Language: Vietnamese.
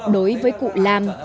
đối với cụ lam